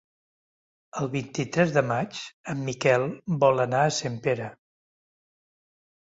El vint-i-tres de maig en Miquel vol anar a Sempere.